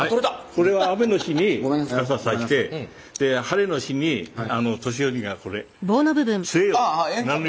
これは雨の日に傘差して晴れの日に年寄りがこれええんか取れて。